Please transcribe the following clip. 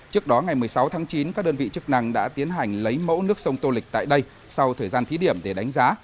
trước đó ngày một mươi sáu tháng chín các đơn vị chức năng đã tiến hành lấy mẫu nước sông tô lịch tại đây sau thời gian thí điểm để đánh giá